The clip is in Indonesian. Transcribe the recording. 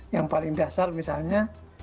yang paling dasar misalnya